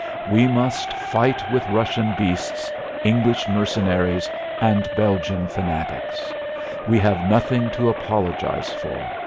We must ... fight with Russian beasts, English mercenaries and Belgian fanatics. We have nothing to apologize for.